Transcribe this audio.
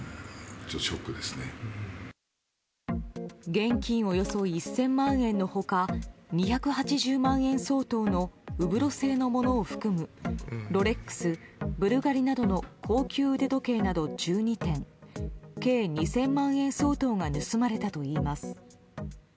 現金およそ１０００万円の他２８０万円相当のウブロ製のものを含むロレックス、ブルガリなどの高級腕時計など１２点計２０００万円相当が盗まれたといいます。